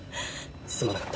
すまなかった。